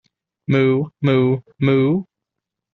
Moo Moo Moo!